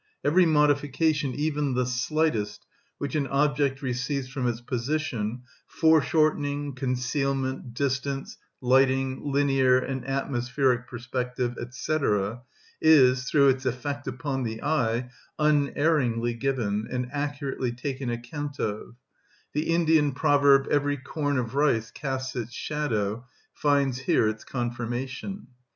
Every modification, even the slightest, which an object receives from its position, foreshortening, concealment, distance, lighting, linear and atmospheric perspective, &c., is, through its effect upon the eye, unerringly given and accurately taken account of: the Indian proverb, "Every corn of rice casts its shadow," finds here its confirmation.